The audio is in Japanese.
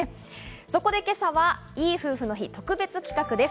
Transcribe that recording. そこで今朝はいい夫婦の日特別企画です。